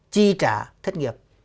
chi trả thất nghiệp